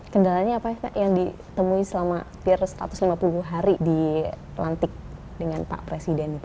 kendalanya apa ya pak yang ditemui selama hampir satu ratus lima puluh hari di lantik dengan pak presiden